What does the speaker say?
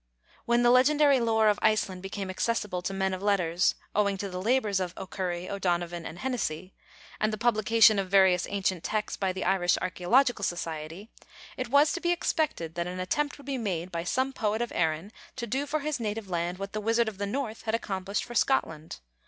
When the legendary lore of Ireland became accessible to men of letters, owing to the labors of O'Curry, O'Donovan, and Hennessy, and the publication of various ancient texts by the Irish Archaeological Society, it was to be expected that an attempt would be made by some poet of Erin to do for his native land what the Wizard of the North had accomplished for Scotland.